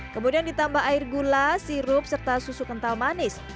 kemudian ditambah air gula sirup serta susu kental manis